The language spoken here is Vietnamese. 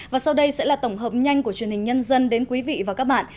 và sau đây sẽ là tổng hợp nhanh của truyền hình nhân dân đến quý vị và các bạn